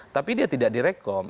tapi dia tidak direkom